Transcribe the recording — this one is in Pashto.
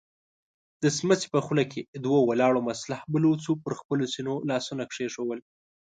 د سمڅې په خوله کې دوو ولاړو مسلح بلوڅو پر خپلو سينو لاسونه کېښودل.